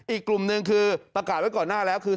อีกกลุ่มหนึ่งคือประกาศไว้ก่อนหน้าแล้วคือ